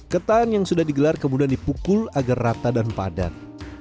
ketan yang sudah digelar kemudian dipukul agar rata dan padat